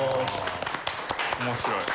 面白い。